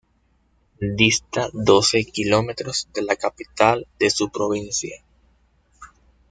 Dista doce kilómetros de la capital de su provincia.